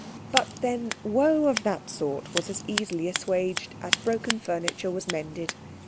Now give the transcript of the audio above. But then woe of that sort was as easily assuaged as broken furniture was mended.